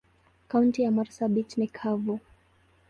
Kaunti ya marsabit ni kavu.